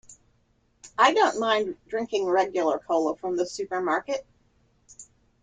I don't mind drinking regular cola from the supermarket.